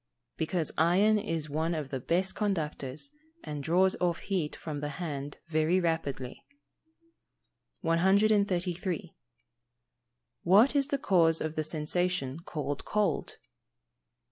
_ Because iron is one of the best conductors, and draws off heat from the hand very rapidly. 133. _What is the cause of the sensation called cold?